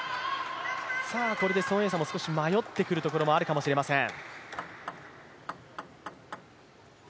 これで孫エイ莎も少し迷ってくるところもあるかもしれません。